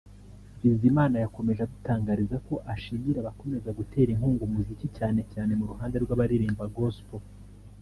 Bizimana yakomeje adutangariza ko ashimira abakomeza gutera inkunga umuziki cyane cyane mu ruhande rw’abaririmba Gospel